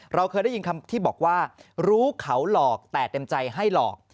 เราเคยได้ยินคำที่บอกว่ารู้เขาหลอกแต่เต็มใจให้หลอก